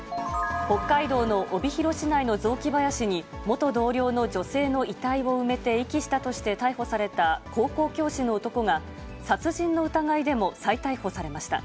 北海道の帯広市内の雑木林に、元同僚の女性の遺体を埋めて遺棄したとして逮捕された高校教師の男が、殺人の疑いでも再逮捕されました。